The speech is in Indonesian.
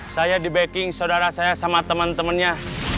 saya dabeiqing saudara saya sama teman temannya